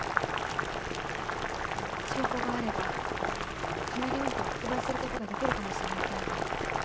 証拠があればカメレオンティーを発売することができるかもしれませんよね。